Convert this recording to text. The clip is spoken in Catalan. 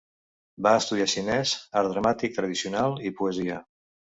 Va estudiar xinès, art dramàtic tradicional i poesia.